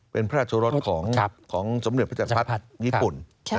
เป็นพระราชรสของสมเด็จพระจักรพรรดิญี่ปุ่น